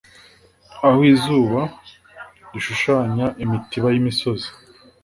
aho izuba, rishushanya imitiba yimisozi